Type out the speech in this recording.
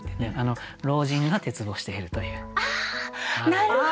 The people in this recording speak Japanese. なるほど！